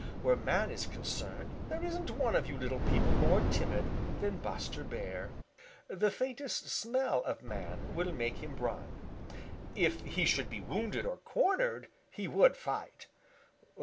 Where man is concerned there isn't one of you little people more timid than Buster Bear. The faintest smell of man will make him run. If he should be wounded or cornered, he would fight.